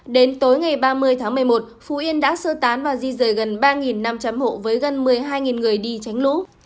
đến tối ngày ba mươi tháng một mươi một phú yên đã sơ tán và di rời gần ba năm trăm linh hộ với gần một mươi hai người đi tránh lũ